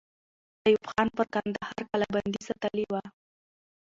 ایوب خان پر کندهار کلابندۍ ساتلې وه.